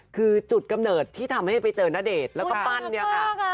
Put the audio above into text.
คือจุดกำเนิดที่ทำให้ไปเจอณเดชน์แล้วก็ปั้นเนี่ยค่ะ